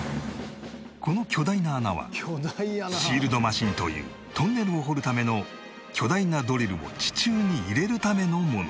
この巨大な穴はシールドマシンというトンネルを掘るための巨大なドリルを地中に入れるためのもの